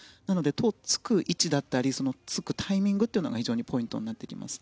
トウをつく位置だったりつくタイミングが非常にポイントになってきます。